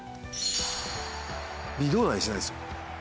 微動だにしないんですよ。